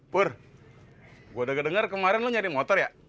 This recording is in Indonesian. burr gua udah ngedenger kemarin lu nyari motor ya